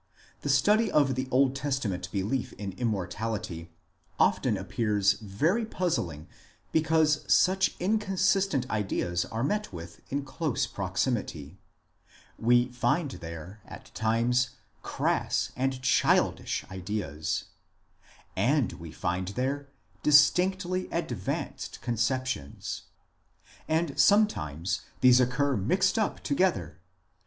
The study of the Old Testament belief in Immortality often appears very puzzling because such inconsistent ideas are met with in close proximity. We find there at times crass and childish ideas, and we find there distinctly advanced conceptions ; and sometimes these occur mixed up to gether.